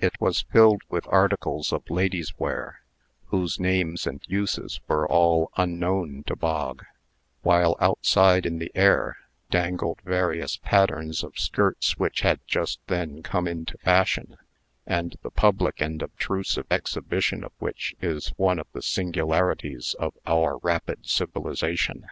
It was filled with articles of ladies' wear, whose names and uses were all unknown to Bog; while outside, in the air, dangled various patterns of skirts which had just then come into fashion; and the public and obtrusive exhibition of which is one of the singularities of our rapid civilization.